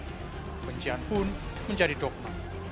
kebencian pun menjadi dogma